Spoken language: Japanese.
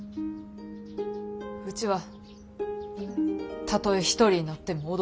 ウチはたとえ一人になっても踊るで。